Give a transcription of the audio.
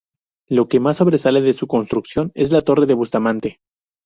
Lo que más sobresale de su construcción es la Torre de Bustamante.